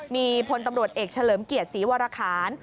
มีพลตำรวจเอกเฉลิมเกียรติศรีวรคาร